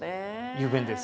雄弁です。